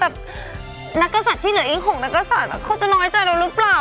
นักกษัตริย์ที่เหลืออีก๖นักศัตริย์แบบเขาจะน้อยใจเราหรือเปล่า